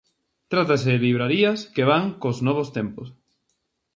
Trátase de librarías que van cos novos tempos.